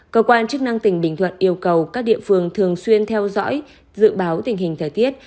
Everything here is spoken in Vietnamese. cơ quan chức năng tỉnh bình thuận yêu cầu các địa phương thường xuyên theo dõi dự báo tình hình thời tiết